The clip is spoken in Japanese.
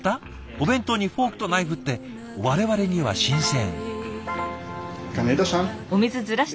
お弁当にフォークとナイフって我々には新鮮。